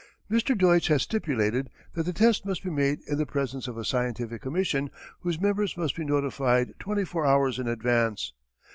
Mr. Deutsch had stipulated that the test must be made in the presence of a Scientific Commission whose members must be notified twenty four hours in advance.